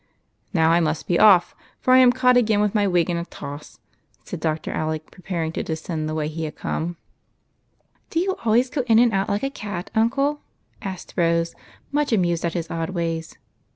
" Now I must be off, before I am caught again with my wig in a toss," said Dr. Alec, preparing to descend the way he came. "Do you always go in and out like a cat, uncle?" asked Rose, much amused at his odd ways.